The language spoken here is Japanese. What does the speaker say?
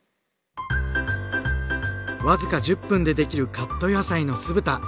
僅か１０分でできるカット野菜の酢豚！